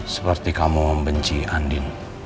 seperti kamu membenci andin